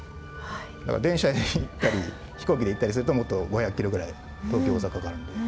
だから電車で行ったり飛行機で行ったりするともっと５００キロぐらい東京大阪間あるので。